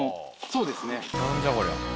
そうですね。